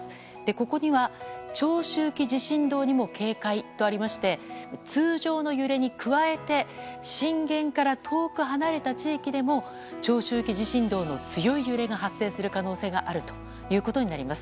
ここには、長周期地震動にも警戒とありまして通常の揺れに加えて震源から遠く離れた地域でも長周期地震動の強い揺れが発生する可能性があるということになります。